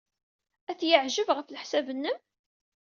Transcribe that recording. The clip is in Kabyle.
Ad t-yeɛjeb, ɣef leḥsab-nnem?